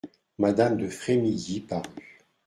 Madame de Frémilly parut.